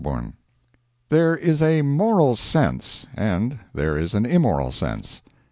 CHAPTER XVI. There is a Moral sense, and there is an Immoral Sense.